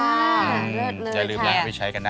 ค่ะเลิศเลิศใช่อย่าลืมแล้วไม่ใช้กันนะ